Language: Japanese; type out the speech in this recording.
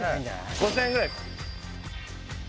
５０００円ぐらいですか？